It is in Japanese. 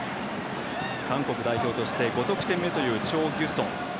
韓国代表として５得点目というチョ・ギュソン。